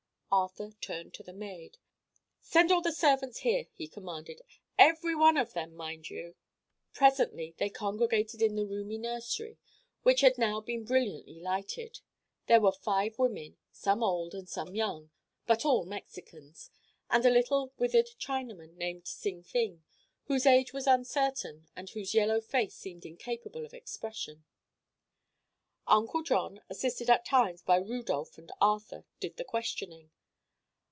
Arthur turned to the maid. "Send all the servants here," he commanded. "Every one of them, mind you!" Presently they congregated in the roomy nursery, which had now been brilliantly lighted. There were five women—some old and some young, but all Mexicans—and a little withered Chinaman named Sing Fing, whose age was uncertain and whose yellow face seemed incapable of expression. Uncle John, assisted at times by Rudolph and Arthur, did the questioning.